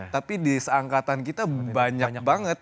tapi di seangkatan kita banyak banget